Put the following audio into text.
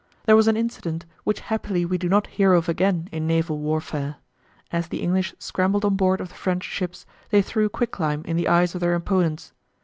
There was an incident which happily we do not hear of again in naval warfare. As the English scrambled on board of the French ships they threw quicklime in the eyes of their opponents.